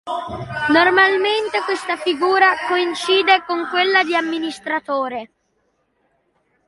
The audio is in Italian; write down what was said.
Normalmente questa figura coincide con quella di amministratore.